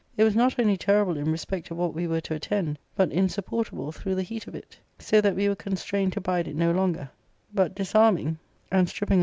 it was not only terrible in respect of what we were to attend, >J but insupportable through the heat of it. So that we were constrained to bide it no longer, but disarming and stripping ARCADIA.